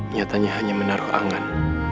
nyatanya hanya menaruh angan